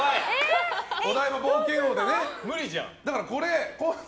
お台場冒険王でね。